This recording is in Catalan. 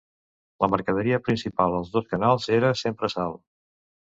La mercaderia principal als dos canals era sempre sal.